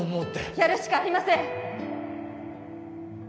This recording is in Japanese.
やるしかありません